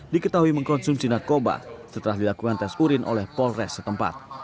diketahui mengkonsumsi narkoba setelah dilakukan tes urin oleh polres setempat